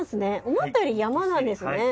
思ったより山なんですね。